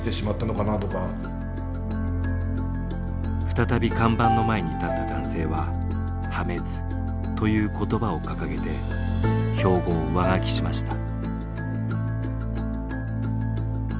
再び看板の前に立った男性は「破滅」という言葉を掲げて標語を上書きしました。